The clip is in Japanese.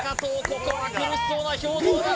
ここは苦しそうな表情だ